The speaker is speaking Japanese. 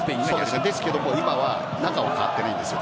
ですけど今は中は変わっていないんですよ。